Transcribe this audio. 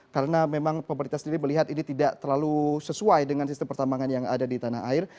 karena memang pemerintah sendiri melihat ini tidak terlalu sesuai dengan sistem pertambangan yang ada di tanah air